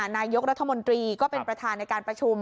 นายกรัฐมนตรีก็เป็นประธานในการประชุม